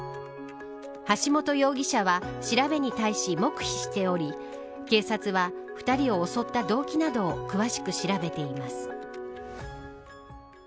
橋本容疑者は調べに対し黙秘しており警察は２人を襲った動機などを詳しく調べています。